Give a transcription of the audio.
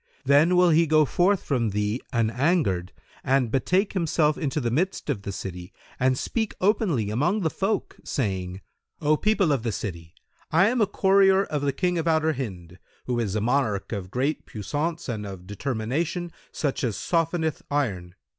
Then will he go forth from thee an angered and betake himself into the midst of the city and speak openly among the folk, saying, 'O people of the city, I am a courier of the King of Outer Hind, who is a monarch of great puissance and of determination such as softeneth iron.